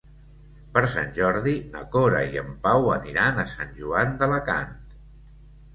Per Sant Jordi na Cora i en Pau aniran a Sant Joan d'Alacant.